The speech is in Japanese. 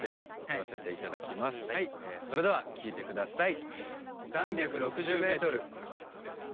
それでは聴いて下さい。